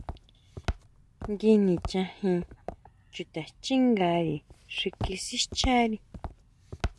Ngui nichajin chutaxchingári xi kisixchari.